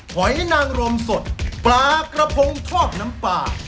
หอยนางรมสดปลากระพงทอดน้ำปลา